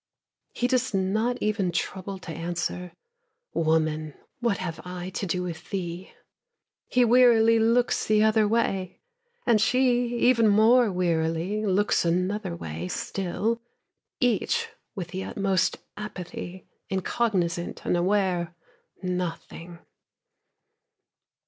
He does not even trouble to answer: "Woman, what have I to do with thee?" He wearily looks the other way, And she even more wearily looks another way still, Each with the utmost apathy, Incognizant, Unaware, Nothing.